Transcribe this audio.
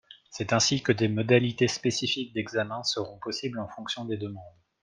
C’est ainsi que des modalités spécifiques d’examen seront possibles en fonction des demandes.